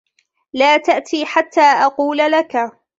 لا تأت حتى أقول لك.